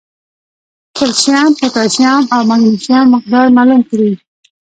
کېلشیم ، پوټاشیم او مېګنيشم مقدار معلوم کړي